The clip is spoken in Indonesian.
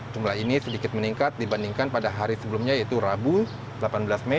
jumlah ini sedikit meningkat dibandingkan pada hari sebelumnya yaitu rabu delapan belas mei